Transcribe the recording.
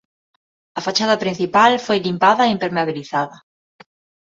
A fachada principal foi limpada e impermeabilizada.